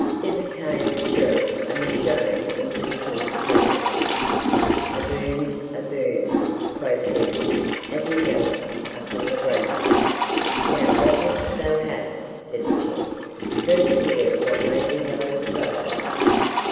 Thither came the Sheriff and was shown into the King's presence. "A boon, a boon," quoth he, as he knelt upon the ground. "Now what wouldst thou have?" said the King. "Let us hear what may be thy desires."